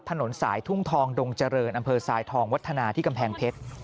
ถนนสายทุ่งทองดงเจริญอำเภอทรายทองวัฒนาที่กำแพงเพชร